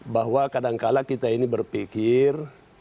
bahwa kadangkala kita ini berpikir